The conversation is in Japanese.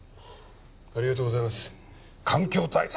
ありがとうございます環境対策